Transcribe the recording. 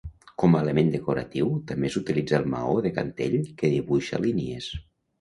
Com a element decoratiu també s'utilitza el maó de cantell que dibuixa línies.